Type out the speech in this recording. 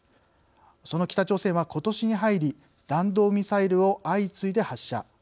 その北朝鮮は、ことしに入り弾道ミサイルを相次いで発射。